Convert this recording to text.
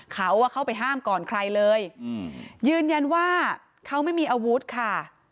เขาเข้าไปห้ามก่อนใครเลยยืนยันว่าเขาไม่มีอาวุธค่ะ